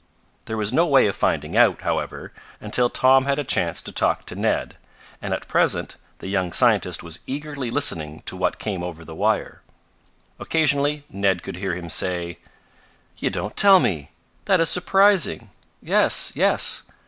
There was no way of finding out, however, until Tom had a chance to talk to Ned, and at present the young scientist was eagerly listening to what came over the wire. Occasionally Ned could hear him say: "You don't tell me! That is surprising! Yes yes!